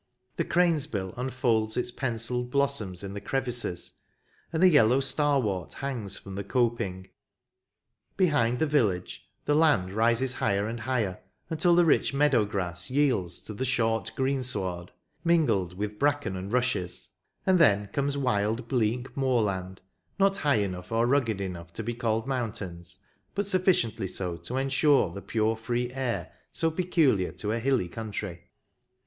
The cranes bill unfolds its pen cilled blossoms in the crevices, and the yellow starwort hangs from the coping. Behind the village, the land rises higher and higher, until the rich meadow grass yields to the short greensward, mingled with bracken and rushes ; and then comes wild, bleak moorland, not high enough or rugged enough to be called mountains, but suffi ciently so to ensure the pure, free air so peculiar to a hilly country.